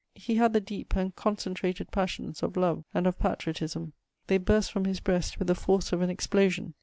He had the deep and concentrated passions of love and of patriotism; they burst from his breast with the force of an explosion.